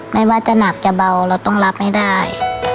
ไม่ว่าจะหนักจะเบาเราต้องรับให้ได้